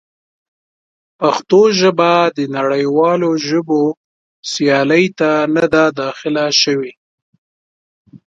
پښتو ژبه د نړیوالو ژبو سیالۍ ته نه ده داخله شوې.